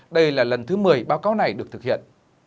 đây là lần thứ một mươi báo cáo này được thực hiện